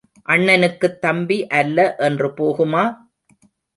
அண்ணனுக்குத் தம்பி அல்ல என்று போகுமா?